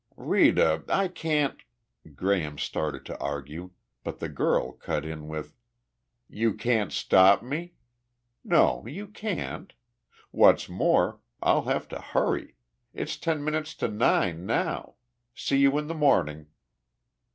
"Rita, I can't " Graham started to argue, but the girl cut in with, "You can't stop me? No, you can't. What's more, I'll have to hurry. It's ten minutes to nine now. See you in the morning."